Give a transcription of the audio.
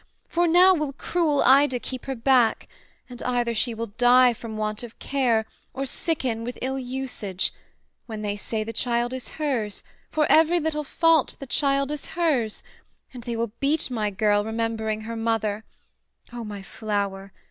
For now will cruel Ida keep her back; And either she will die from want of care, Or sicken with ill usage, when they say The child is hers for every little fault, The child is hers; and they will beat my girl Remembering her mother: O my flower!